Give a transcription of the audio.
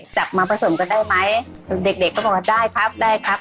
จับมาผสมกันได้ไหมเด็กเด็กก็บอกว่าได้ครับได้ครับ